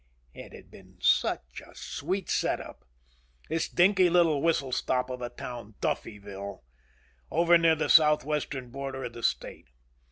It had been such a sweet set up. This dinky little whistle stop of a town. Duffyville. Over near the southwestern border of the state.